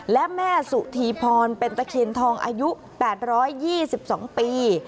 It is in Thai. และแม่สุธีพรเป็นตะเคียนทองอายุ๘๒๒ปี